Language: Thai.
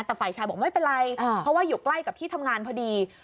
แต่ฝ่ายชายบอกไม่เป็นไรเพราะว่าอยู่ใกล้กับที่ทำงานพอดี